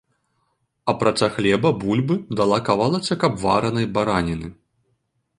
Апрача хлеба, бульбы, дала кавалачак абваранай бараніны.